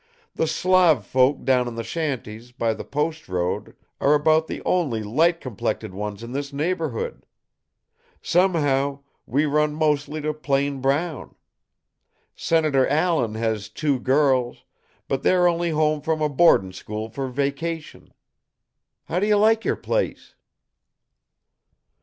The Slav folk down in the shanties by the post road are about the only light complected ones in this neighborhood. Somehow, we run mostly to plain brown. Senator Allen has two girls, but they're only home from a boardin' school for vacation. How do you like your place?"